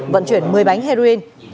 vận chuyển một mươi bánh heroin